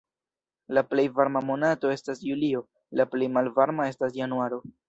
La plej varma monato estas julio, la plej malvarma estas januaro.